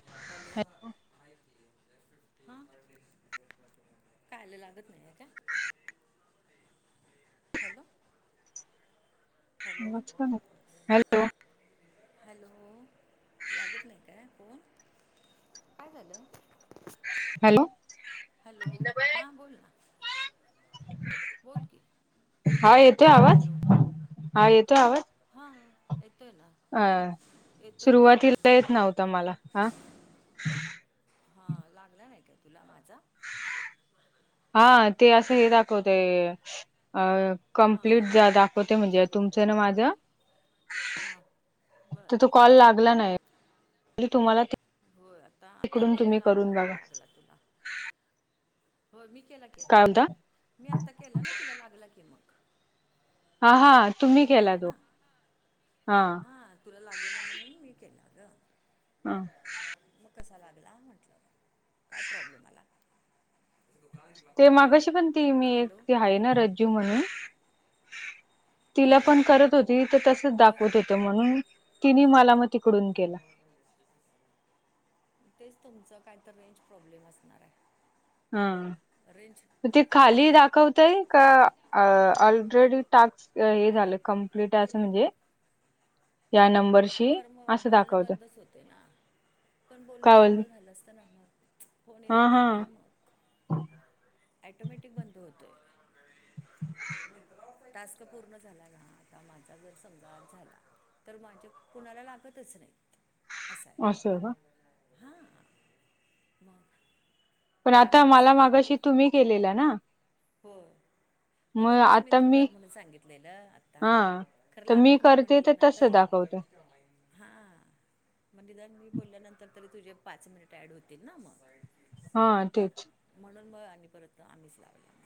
[unintelligible] हा काय झालं लागत नाही आहे का? हॅलो? हॅलो! आवाज का हॅलो हॅलो लागत नाही काय फोन? काय झालं? हॅलो! हॅलो! हां बोल ना. बोल की हा येतोय आवाज? हा येतोय आवाज? हा येतोय ना. हो अ येतोय ना. सुरुवातीला येत नव्हता मला हा. हा लागला नाही का तुला माझा? हा ते असं हे हॅलो दाखवत हां हां कंप्लीट हां हो ते म्हणजे तुमचं ना माझं. हां तर बरं.. तो कॉल लागला नाही. म्हणली तुम्हाला होय आता तिकडून अथर्वने तुम्ही करून लावला मग बघा लागला तुला. हो मी केला काय केला म्हणता मी, आत्ता केला ना तुला लागला की मग. हा हा हां तुम्ही मी केला तो ना हा.. हां तुला लागे ना म्हणून मी केला ग. हा.. मग कसा लागला म्हटलं? काय प्रॉब्लेम आला? ते मगाशी पण ती मी एक हॅलो ती आहे ना रज् म्हणून तिला हां पण करत होती तर तसच बरं दाखवत हो- होत, म्हणून तिने मला मग तिकडून केला. तेच तुमचं काय तर रेंज प्रॉब्लेम असणार आहे. हा रेंज ते कमी पडते खाली का दाखवते का ऑलरेडी टास्क हे झालं कंप्लीट टास्क म्हणजे त्या नंबरची खरं मग बोलणं बंदच होते ना पण काय बोलणं बोल बंद झालं असत ना मग फोन हा येत हा नाही ना मग ऍटोमॅटिक बंद होतोय. जिंकला वाटत. टास्क पूर्ण झाला ना आता माझा जर समजा झाला तर माझे कुणाला लागतच नाहीत असं आहे. हां मग पण आता लागला मला नसता ना मागाशी तुम्ही केलेला ना? होय मग म्हणूनच मी तू कर म्हणून सांगितलेलं आता हा खरं तर मी लागत नाही करते तर तस म्हंटल्यानंतर दाखवते हा मग निदान मी बोलल्यानंतर तरी तुझे पाच मिनिट ऍड होतील ना मग हा तेच म्हणून म आणि परत आम्हीच लावला.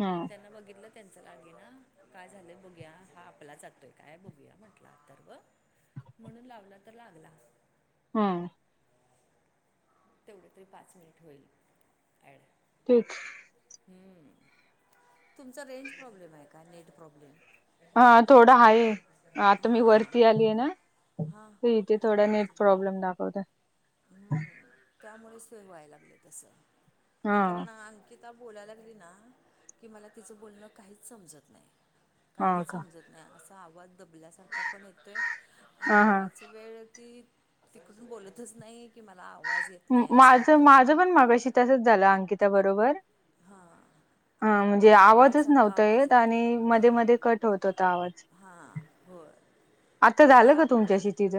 हा त्यांना बघितलं त्यांचं लागेना. काय झालं बघूया. हा आपला जातोय काय बघूया म्हटला अथर्व म्हणून लावला तर लागला. हा तेवढं तरी पाच मिनिट होईल ॲड [inaudible] हम्म रेंज प्रॉब्लेम आहे का? Net problem? हा थोडा आहे. आता मी हां वरती आली आहे ना... हां ते इथे थोडा नेट प्रॉब्लेम दाखवतोय. हम्म त्यामुळेच ते व्हाय लागले तस हा कारण अंकित ता बोलायला लागली ना की, मला तिचं बोलणं काहीच समजत नाही. हा काहीच का समजत नाही. असा आवाज दबल्यासारखा पण येतोय ह आणि हा बराच वेळ ती तिकडून बोलतच नाही की मला आवाज येत नाही. असं माझ होतंय. माझं पण मागाशी तसच झालं अंकिता बरोबर हा हा म्हणजे आवाजच नव्हत येत आणि हां मध्ये मध्ये कट होत होता आवाज. हां होय आता झालं मला का तुमच्याशी तीच?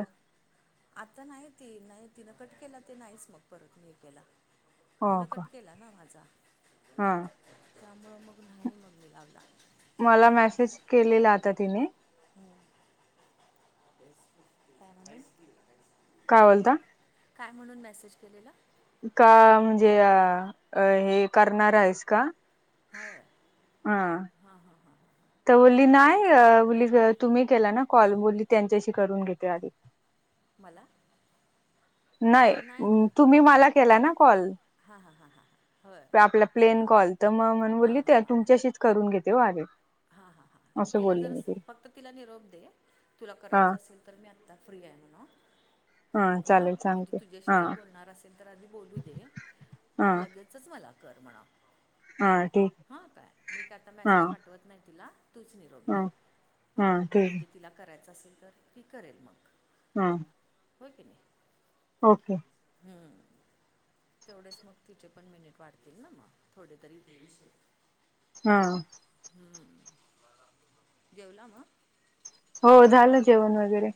आता नाही ती नाही तिनं कट केला ते नाहीच मग परत मी केला. हो तिनं का कट केला ना माझा हा त्यामुळं मग नाही मग मी लावला. काय मला मेसेज केलेला आता तिने [inaudible] काय बोलता? काय म्हणून मेसेज केलेला? का म्हणजे अ हे करणार आहेस का? होय हा हां हां हां. तर बोलली नाही. बोलली तुम्ही केला ना कॉल बोलली त्यांच्याशी करून घेते आधी. मला. नाही मग खर हं तुम्ही मला केला ना कॉल. हां हां हां हां हां होय आपल्या हां प्लेन हां हां कॉल तर मग म्हण हां हां बोलली त्या तुमच्याशी करून घेते हो आधी. हा हा हा असं तिला बोलले जर मी फक्त तिला निरोप दे तुला हा करायचा असेल तर मी आता फ्री आहे म्हणावं हा चालेल म्हणजे सांगते तुझ्याशी हा जर बोलणार असेल. नाहीतर आधी बोलू दे, मग हा लगेचच मला कर म्हणावं. हा ठीक हा काय? मी काय आता हा मेसेज पाठवत नाही तिला तूच निरोप हा दे. हां हा ठीक आहे म्हणजे तिला करायचं असेल तर, ती करेल मग. हम्म. होय की नाही? ओके. हम्म. तेवढेच मग तिचे पण मिनिट वाढतील ना मग. थोडे तरी दीडशे. हा. हम्म, जेवला मगं? हो, झालं जेवण वगैरे.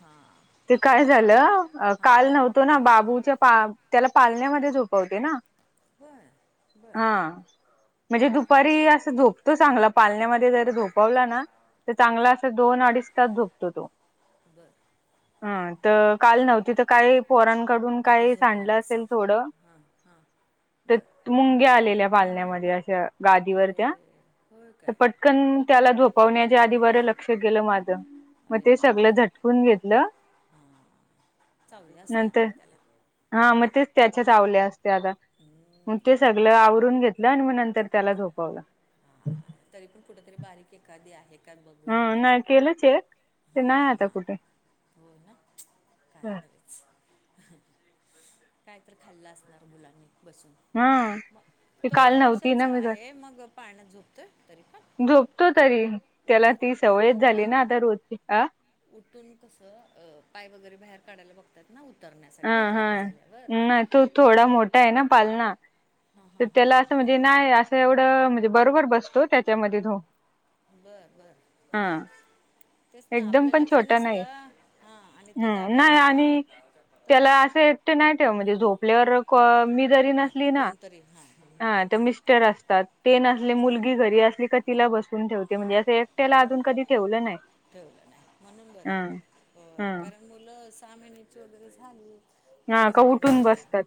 हा. ते काय झालं काल नव्हतो ना, बाबूच्या पा त्याला पालण्यामध्ये झोपवते ना बरं हा, बरं म्हणजे बरं दुपारी असं झोप तो चांगला पालण्यामध्ये जर झोपवला ना, तर हां चांगला असा दोन, अडीच तास झोपतो तो. बरं. हा तर काल नव्हती, तर काय पोरानं कडून तिथं काही झोपला सांडलं असेल, नसेल थोडं हां हां ते बरं मुंग्या आलेल्या पालण्यामध्ये अशा. अगं गादीवर आया त्या या या. तर पटकन त्याला झोपवण्याच्या आधी, बरं लक्ष गेलं माझं. मग ते सगळं झटकून घेतलं ह चावल्या असत्या नंतर अगं त्याला. हा मग तेच त्याच्याच चावल्या असत्या आता, मग ते सगळं आवरून घेत ल अन मग नंतर त्याला झोपवलं. तरी पण कुठेतरी बारीक, एखादी आहे का बघून ह घ्या. नाही केलं चेक, ते हां नाही आता हां कुठे. हो ना. बरं. आलेच काय तर खाल्लं असणार मुलांनी बसून. हं. मग ती तो काल एक नव्हती ना वर्षाचा मी घरी. आहे मग पाळण्यात झोपतोय तरी पण झोपतो तरी. त्याला ती उठत सवयच उठत झाली नाही ना आता रोजची. अं? उठून कसं पाय वगैरे बाहेर काढायला बघतात ना, ह उतरण्यासाठी हा जागे झाले नाही तो थोडा मोठा आहे ना पालना, हां तर हां हां त्याला हां असं म्हणजे नाही असं एवढं, म्हणजे बरोबर बसतो त्याच्यामध्ये झो बरं बरं, हा. तेच ना. एकदम आपलं पण लक्ष छोटा नाही नसलं, हा आणि ह तो जागा नाही झाला आणि तर त्याला असे एकटं नाही ठेव, म्हणजे झोपल्यावर कॉ मी जरी हां नसली ना, कोणतरी हां हां हा तर हां मिस्टर अस तात. ते नसले मुलगी घरी असली का, तिला बसवून ठेवते असे बरं, ठेवलं नाही म्हणून बरं. हम्म बरं हम्म. कारण मुलं सहा महिन्याची वगैरे झाली, की हा लगेच का उठून पाळण्यातून बसतात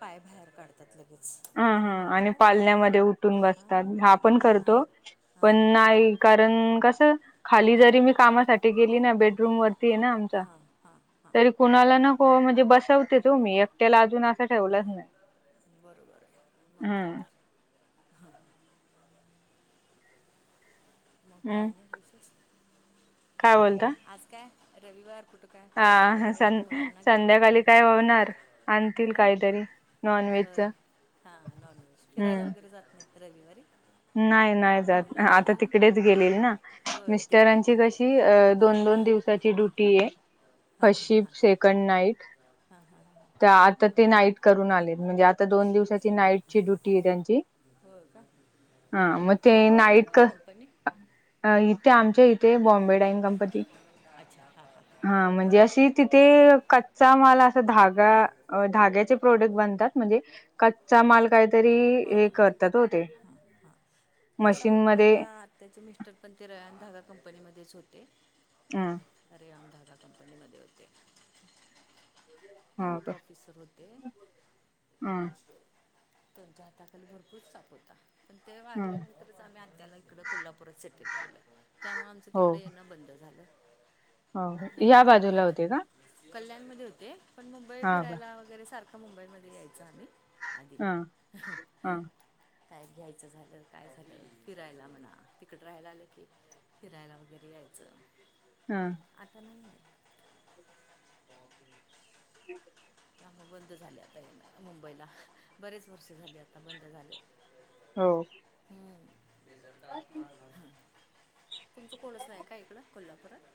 पाय बाहेर काढत तात लगेच. ह हा म्हणून आणि म्हटलं पालण्यामध्ये उठून बसत हा हां पण हां करतो हां पण नाही कारण कस खाली हां जरी मी कामासाठी गेली ना बेडरूम वरती आहे ना आमचा हां हां हां तरी कुणाला नको म्हणजे बसवते तोच मी एकट्याला अजून असं ठेवलाच नाही बरोबर आहे मग हम् काय तर मग काय हम्म आणि विशेष काय बोलता आज काय रविवार कुठं काय फिरायला हा स वगैरे मुलांना घेऊन संध्याकाळी काय होणार आणतील काहीतरी नॉनव्हेजच हा नॉन व्हेज फिरायला हम्म. वगैरे जात नाही रविवारी नाही नाही जात मुलांना आता घेऊन तिकडेच गेलेले ना होय तिकडे मिस्टरांची गेलेलं कशी आहे दोन दोन हां दिवसाची ड्युटी हाय हां फर्स्ट हां शिप हां सेकंड नाईट हां हां ह ह आता ते नाईट करून आले म्हणजे आता दोन दिवसाची नाईट ची ड्युटी आहे त्यांची होय का हा मग ते कोणती नाईट आहे कंपनी इथे आमच्या इथे बॉम्ब म्बेबान कंपनी अच्छा हां हां हां मझी तिथे कच्चा असा धागा धाग्याचे प्रोडक्ट बनतात म्हणजे कच्चा माल काय तरी हो हे करतात हो ते हां हां तेच मशीनमध्ये माझ्या आत्याचे मिस्टर पण ते रयान धागा कंपनीमध्येच होते हा रयान धागा कंपनीमध्ये होते ते मोठे ह ऑफिसर होते त्यांच्या हाताखाली भरपूर स्टाफ होता पण ते ह वाारल्यानंतरच आम्ही आत्या ला इकडं कोल्हापूरात सेटल केलं त्यामुळे आमचं हो तिकडे येना बंद झाले हो या नाहीतर आम्ही बाजूला होते का? येत कल्याणमध्ये होते पण मुंबई हा का फिरायला वगैरे सारखं मुंबईमध्ये यायच आम्ही आधीक हा ह हा काय घ्यायचं झालं काय झालं फिरायला म्हणा तिकड राहायला आलं की फिरायला वगैरे यायचं हा आता नाही ह कामे बंद झाले आता ये मुंबईला बरेच वर्ष झाली आता बंद झाले हो हम् ते सरकार पा [inaudible] तुमचं कोणच नाहीय का इकड कोल्हापुरात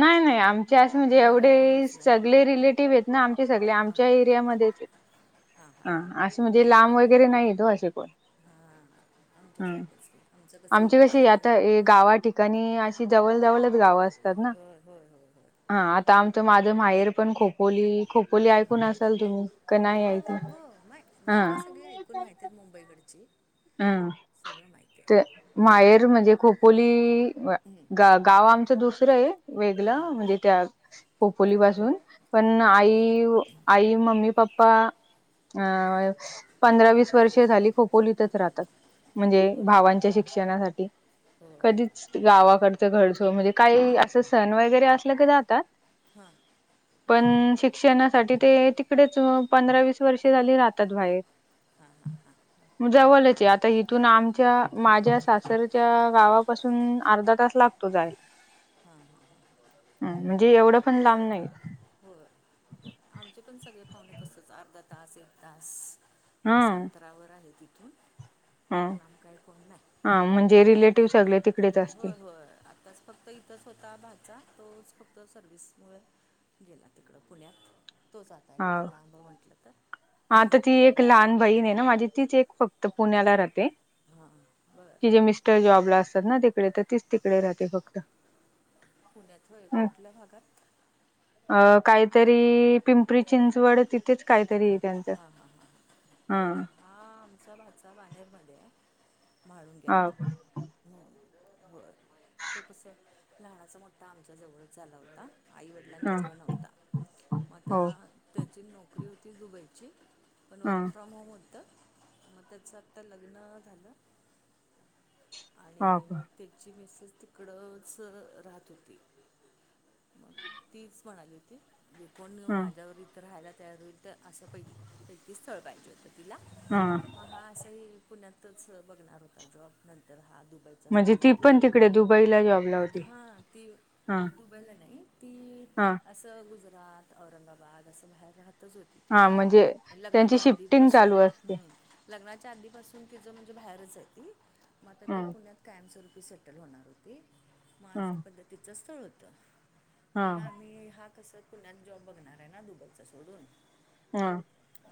नाही नाही आमचे असं म्हणजे या भागात एवढे कोणच नाही सगळे रिलेटिव्ह हेत ना आमचे सगळे हां आमच्या एरियामध्ये हायत हां हां हा हां असे म्हणजे लांब वगैरे नाहीत ओ असे कोण हा ह आमच्यासारखंच आमचं कस हाय आमची इथल्या कशी इथं. आता ए हा. गावा ठिकाणी अशी जवळ जवळच गावं असतात ना. [inaudible] होय हो हो. हा आता आमचं माझं माहेर पण खोपोली, खोपोली ऐकून असाल तुम्ही का नाही हो ऐक हो मा गावं सगळी ऐकून माहिती आहेत मुंबईकडची. हा. सगळं माहिती ते आहे माहेर म्हणजे खोपोली ग-गाव आमचं दुसरं आहे. वेगळ म्हणजे त्या खोपोली पासून पण बरं आई आई, मम्मी, - पप्पा अ बरं पंधरा-वीस वर्ष झाली खोपोली तर म्हणजे होय भावांचं शिक्षणासाठी. होय कधी गावाकडच घरसो म्हणजे काही असं सण वगैरे असलं की जातात. हां [inaudible] बरं पण शि क्षणासाठी ते तिकडेच पंधरा-वीस वर्षे झाली राहतात बाहेर. हां हां हां हां. जवळच आता इथून आमच्या माझ्या सासरच्या गावा पासून अर्धा तास लागतो जायला. हा ह बर. म्हणजे एवढं पण [unintelligible] लांब साइडला? नाही हो हो आमचे पण सगळे पाहुणे तसच अर्धा तास, एक तास ह असं अंतरावर आहे तिथून. ह भारलाम काही कोण नाही. हा म्हणजे रिलेटिव्ह सगळे तिकडेच होय असतील होय आताच फक्त इतच होता भाचा तोच फक्त सर्वविसमुळे गेला तिकड पुण्यात. तो जाता एकटा लांब म्हटलं तर. हा तर ती एक लहान बहीण आहे ना माझी तीच एक फक्त पुण्याला राहते. हा बरं. तिजे मिस्टर जॉबला असतात ना तिकडे तर तीच तिकडे राहते फक्त. पुण्यात व्हय कुठल्या भागात? अ काहीतरी पिंपरी-चिंचवड तिथेच काहीतरी. त्यांचं हा ह ह हो हा. आमचा भाचा बाहेरमध्ये. भाडुणग्या. ह [inaudible] [unintelligible] हम्म, बरं तो कस आहे लहाणाचा मोठठा आमच्या जवळच झाला होता. ह आईवडिलांच्या जवळ नव्हता. मग हो आता त्याची नोकरी होती दुबईची पण ह वर्क फ्रॉम होम होतं. मग त्याचं आत्ता लग्न झालं ह आणि मग त्याची मिसेस तिकडंच राहत होती. मग तीच म्हणाली होती. जे कोण ह माझ्यावर इथं राहायला तयार होईल तर असं पैकी पैकी स्थळ पाहिजे होतं तिला, हा मग हा असही पुण्यातच बघणार होता जॉब नंतर हा दुबई चा म्हणजे सुटला ती की, पण तिकडे दुबईला जॉबला होती हा ती हा दुब्याला नाही ती हा. असं गुजरात, औरंगाबाद असं बाहेर राहत तिथंच होती हा म्हणजे ति त्यांची लग्नाच्या शिफ्टिंग आधीपसून. चालू असते हम् लग्नाच्या आधीपासून तिच म्हणजे बाहेरच आहे ती मग आता ह ती पुण्यात कायमस्वरूपी सेटल होणार होती मग ह अशा पद्धतीचं स्थळ होतं. ह मग आम्ही हा कसं पुण्यात जॉब बघणारे ना दुब‌ईचा सोडून. हा.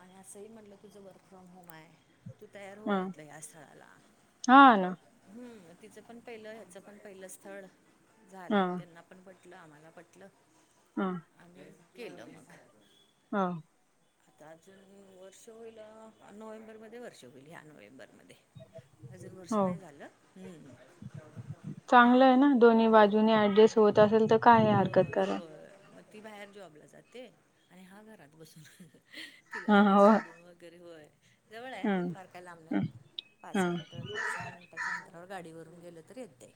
आणि असंही म्हटलं तुझं वर्क फ्रॉम होम आहे, तु तयार ह हो म्हंटलं या स्थळाला. हा ना. हम्म, म तिचं पण पहिलं ह्याच पण पहिलं स्थळ ह झालं त्यांना पण पटलं, आम्हाला पटलं. हा, आम्ही केलं मग. हा, अजून अं वर्ष होईल नोव्हेंबरमध्ये वर्ष होईल, ह्या नोव्हेंबरमध्ये. अजून वर्ष हो नाही झालं, हम्म. चांगलं आहे ना दोन्ही होय बाजूने ऍडजस्ट होत हम्म, असेल तर, काय आहे हरकत होय कराय होय मग ती बाहेर जॉबला जाते, आणि हा घरात बसून तिला हा जाऊन हो सोडून वगैरे होय जवळं आहे हम्म फार काय लांब नाही, पाच हम्म मिनटं च्या अंतरावर गाडी वरून गेलं तरी येते.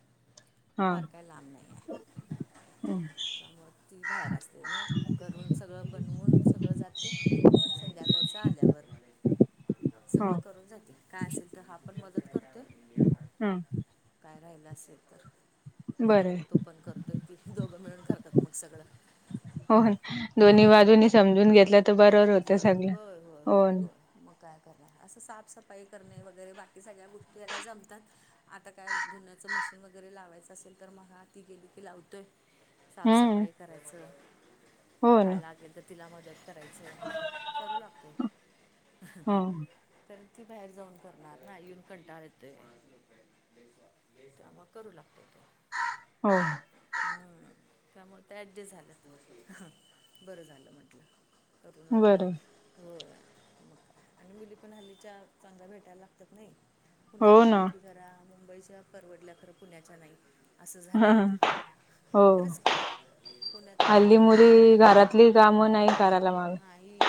हा फार काय लांब नाहीये, हम्म त्यामुळे ती बाहेर असते मग घरून सगळं बनवून सगळं जाते, संध्याकाळचं आल्यावर हो सगळं करून जाते, काय असेल तर हा पण मदत करतो. हा. काय राहिलं असेल तर बरं सगळं आहे. तो पण करतोय, ती-ती दोघं मिळून करतात मग सगळं. हो ना, दोन्ही हम्म, बाजूनी समजून घेतलं तर बरोबर होतं घेतलं सगळं होय, होय हो होय, ना होय. मग काय करणार असं साफसफाई करणे वगैरे बाकी सगळ्या गोष्टी याला जमतात. आता काय धुण्याचं मशीन वगैरे लावायचं असेल, तर म आत ती गेली लावतोय. हम्म साफसफाई करायचं, हो ना काय लागेल तर तिला मदत करा करायचं, करू लागतोय, हो तर ती बाहेर जाऊन करणार बाहेरून येउन कंटाळ येतोय, त्यामुळं करू लागतो. हो. हम्म, त्यामुळे ते ऍडजस्ट झालं तर, बरं झालं म्हटलं. करून आपलं बरं आहे. हो म आणि मुली पण हल्लीच्या चांगल्या भेटायला मिळत नाही, पुण्यात हो ना म्हटलं की जरा मुंबईच्या शहर परवडल तरं पुण्याच्या नाही. असं झालंय आता. हो खरंच की, पुण्यात नाहीत हल्ली मुली बरोबर, घरातली होय, कामं नाही करायला माग नाही.